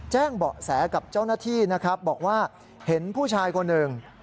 แจ้งเบาะแสกับเจ้าหน้าที่นะครับบอกว่าเห็นผู้ชายคนหนึ่ง